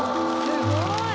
すごい。